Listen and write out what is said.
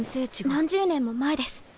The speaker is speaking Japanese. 何十年も前です。